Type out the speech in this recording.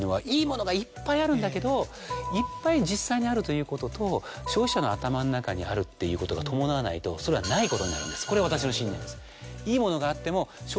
あるんだけどいっぱい実際にあるということと消費者の頭の中にあるっていうことが伴わないとそれはないことになるんですこれは私の信念です。